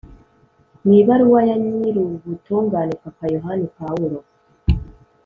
mu ibaruwa ya nyirubutungane papa yohani pawulo